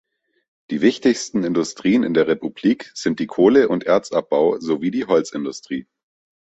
Die wichtigsten Industrien in der Republik sind der Kohle- und Erzabbau sowie die Holzindustrie.